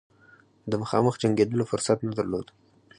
د مخامخ جنګېدلو فرصت نه درلود.